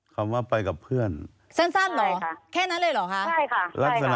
คำว่าไปกับเพื่อนสั้นเหรอแค่นั้นเลยเหรอคะใช่ค่ะลักษณะ